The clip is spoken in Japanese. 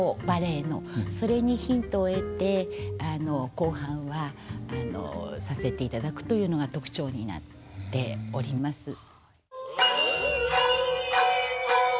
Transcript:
バレエのそれにヒントを得て後半はさせていただくというのが特徴になっております。